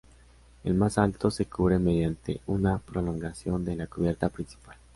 El más alto se cubre mediante una prolongación de la cubierta principal.